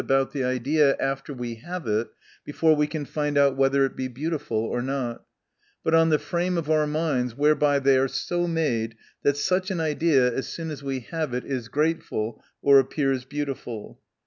301 about the idea, after we have it, before we can find out whether it be beautiful or not ; but on the frame of our minds, whereby they are so made that such an idea, as soon as we have it, is grateful, or appears beautiful.